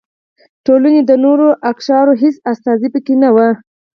ټولنې د نورو اقشارو هېڅ استازي پکې نه و.